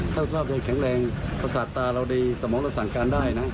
ถ้าสภาพเราแข็งแรงประสาทตาเราดีสมองเราสั่งการได้นะ